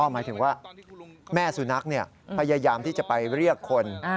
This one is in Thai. หมายถึงว่าแม่สุนัขพยายามที่จะไปเรียกคน